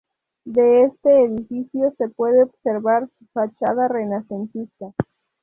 De este edificio se puede observar su fachada renacentista.